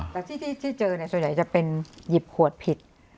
แต่ที่เจอส่วนใหญ่จะเป็นหยิบขวดผิด